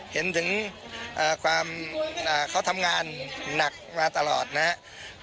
เห็นถึงความเขาทำงานหนักมาตลอดนะครับ